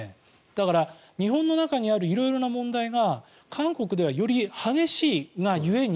だから、日本の中にある色々な問題が韓国ではより激しいが故に